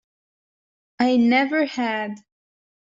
I never had.